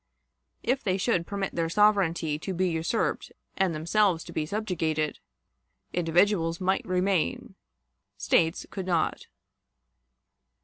If they should permit their sovereignty to be usurped and themselves to be subjugated, individuals might remain, States could not.